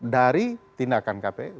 dari tindakan kpu